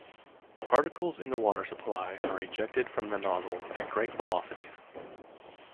Particles in the water supply are ejected from the nozzle at great velocities.